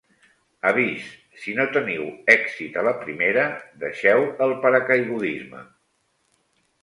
Avís: si no teniu èxit a la primera, deixeu el paracaigudisme.